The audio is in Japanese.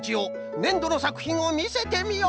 ねんどのさくひんをみせてみよ！